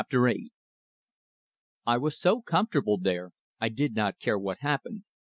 VIII I was so comfortable there, I did not care what happened.